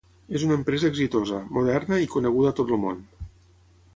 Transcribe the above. és una empresa exitosa, moderna i coneguda a tot el món